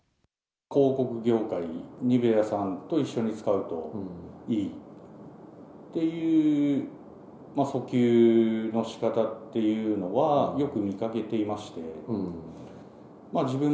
広告業界、ニベアさんと一緒に使うといいっていう訴求のしかたっていうのは、よく見かけていまして。